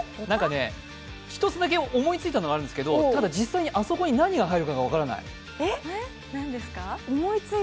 １つだけ思いついたのがあるんですけど、ただ実際に、あそこに何が入るのか分からない。